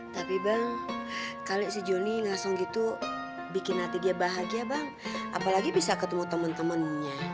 tapi bang kalau si joni ngasong gitu bikin hati dia bahagia bang apalagi bisa ketemu teman temannya